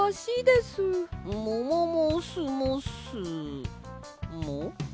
もももすもすも？